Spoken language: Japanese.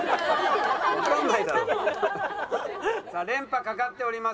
さあ連覇懸かっております。